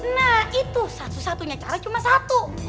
nah itu satu satunya cara cuma satu